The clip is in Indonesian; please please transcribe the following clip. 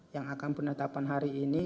yang akan penetapan hari ini